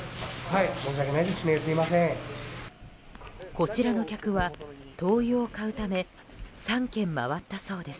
こちらの客は、灯油を買うため３軒回ったそうです。